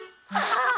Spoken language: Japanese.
ああ！